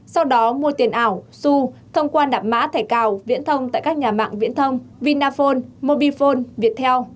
sau đó mua tiền ảo su thông qua đập mã thẻ cào viễn thông tại các nhà mạng viễn thông vinaphone mobifone viettel